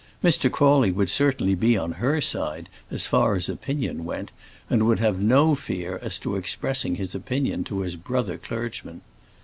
Mr. Crawley would certainly be on her side as far as opinion went, and would have no fear as to expressing his opinion to his brother clergyman.